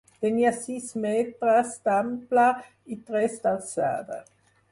Tenia sis metres d'ampla i tres d’alçada.